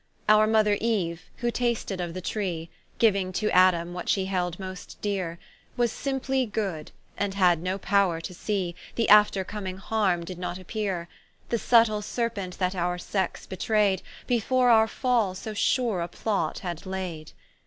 Our Mother Eue, who tasted of the Tree, Giuing to Adam what she held most deare, Was simply good, and had no powre to see, The after comming harme did not appeare: The subtile Serpent that our Sex betraide, Before our fall so sure a plot had laide.